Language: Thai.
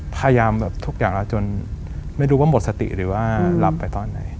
พยายามแบบทุกอย่างแล้วจนไม่รู้ว่าหมดสติหรือว่าหลับไปตอนไหน